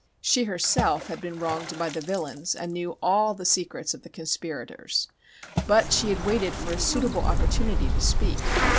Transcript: She herself had been wronged by the villains and knew all the secrets of the conspirators. But she had waited for a suitable opportunity to speak.